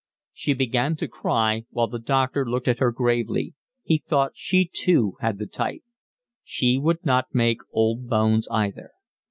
She began to cry, while the doctor looked at her gravely; he thought she too had the type; she would not make old bones either.